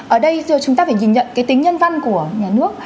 ở đây giờ chúng ta phải nhìn nhận cái tính nhân văn của nhà nước